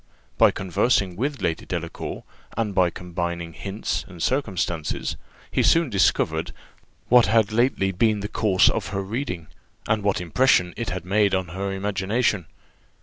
By conversing with Lady Delacour, and by combining hints and circumstances, he soon discovered what had lately been the course of her reading, and what impression it had made on her imagination.